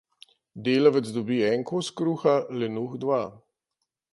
Delavec dobi en kos kruha, lenuh dva.